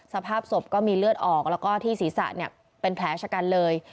สภาพศพก็มีเลือดออกแล้วก็ที่ศีรษะเป็นแผลชะกันเลย